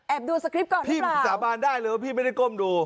แอบดูสคริปต์ก่อนหรือเปล่าพี่สาบานได้เลยว่าพี่ไม่ได้ก้มดู